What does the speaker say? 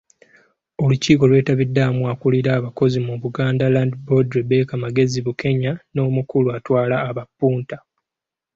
Olukiiko lwetabiddwamu akulira abakozi mu Buganda Land Board, Rebecca Magezi Bukenya n’omukulu atwala abapunta.